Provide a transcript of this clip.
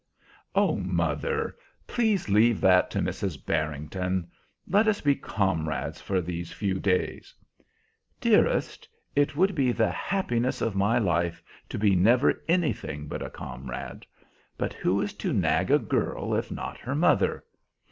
"Oh, mother, please leave that to Mrs. Barrington! Let us be comrades for these few days." "Dearest, it would be the happiness of my life to be never anything but a comrade. But who is to nag a girl if not her mother?